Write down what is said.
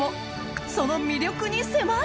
その魅力に迫る！